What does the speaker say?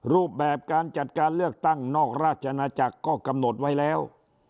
รูปแบบการจัดการเลือกตั้งนอกราชนาจักรก็กำหนดไว้แล้ว